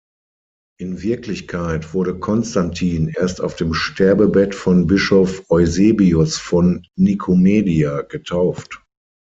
In Wirklichkeit wurde Konstantin erst auf dem Sterbebett von Bischof Eusebius von Nikomedia getauft.